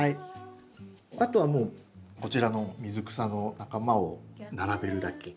あとはもうこちらの水草の仲間を並べるだけ。